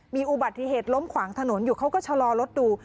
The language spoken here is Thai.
มีอุบัติเหตุล้มขวางถนนอยู่เขาก็ชะลอรถดู